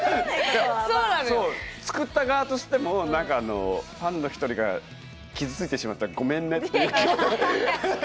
作った側としてもファンの一人が傷ついてしまったらごめんねという気持ち。